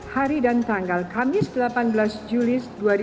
hari dan tanggal kamis delapan belas juli dua ribu dua puluh